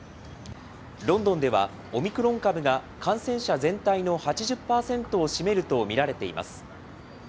ロンドンでは、オミクロン株が感染者全体の８０％を占めると見られています。